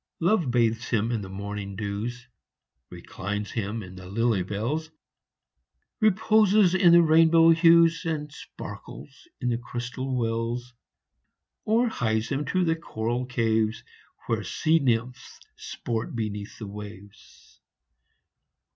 Love bathes him in the morning dews, Reclines him in the lily bells, Reposes in the rainbow hues, And sparkles in the crystal wells, Or hies him to the coral caves, Where sea nymphs sport beneath the waves.